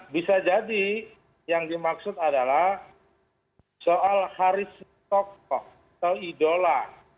bisa jadi yang dimaksud adalah soal haris tokoh atau idola